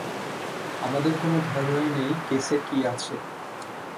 আমাদের কোনো ধারণাই নেই কেসে কী আছে।